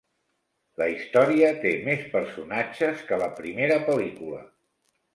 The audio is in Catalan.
La història té més personatges que la primera pel·lícula.